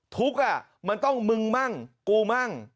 ทุกข์มันต้องมึงมั่งกูมั่ง